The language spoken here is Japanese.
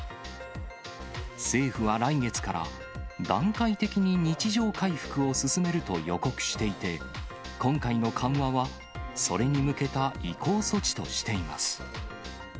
政府は来月から、段階的に日常回復を進めると予告していて、今回の緩和は、それに向けた移行措置としています。